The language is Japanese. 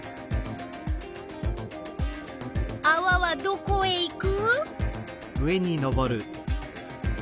あわはどこへいく？